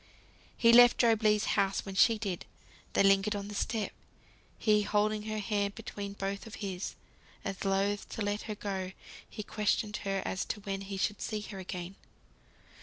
He left Job Legh's house when she did. They lingered on the step, he holding her hand between both of his, as loth to let her go; he questioned her as to when he should see her again.